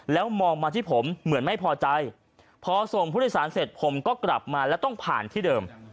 แล้วมองมาที่ผมเหมือนไม่พอใจพอส่งผู้โดยสารเสร็จผมก็กลับมาแล้วต้องผ่านที่เดิม